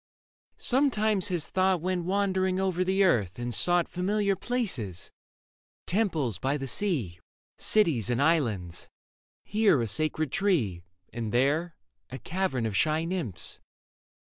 Sometimes his thought Went wandering over the earth and sought Familiar places — temples by the sea, Cities and islands ; here a sacred tree And there a cavern of shy nymphs.